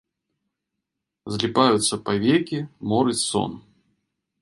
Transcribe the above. Зліпаюцца павекі, морыць сон.